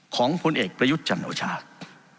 ของผลเอกประยุทธิ์จันทร์โดชาติ